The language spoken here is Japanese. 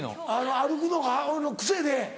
歩くのが俺の癖で。